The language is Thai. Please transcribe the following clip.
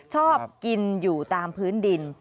ชอบกินอยู่ตามพื้นดิน